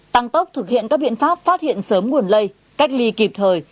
tăng tốc thực hiện các biện pháp phát hiện sớm nguồn lây cách ly kịp thời